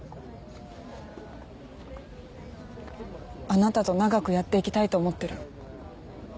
あなたと長くやっていきたいと思ってる。